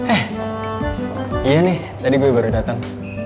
eh iya nih tadi gue baru dateng